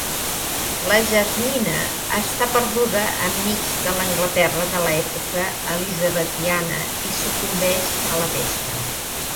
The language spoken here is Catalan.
La Jasmine està perduda en mig de l'Anglaterra de l'època elisabetiana i sucumbeix a la pesta.